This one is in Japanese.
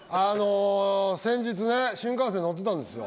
先日新幹線乗ってたんですよ。